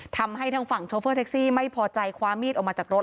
ทำให้ทางฝั่งโชเฟอร์แท็กซี่ไม่พอใจคว้ามีดออกมาจากรถ